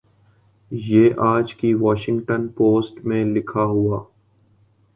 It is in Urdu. یہ آج کی واشنگٹن پوسٹ میں لکھا ہوا